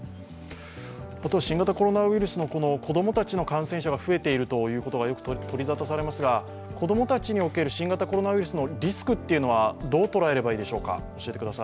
新型コロナウイルスの子供たちの感染者が増えているということが、よく取り沙汰されていますが子供たちにおける新型コロナウイルスのリスクはどう捉えればいいでしょうか？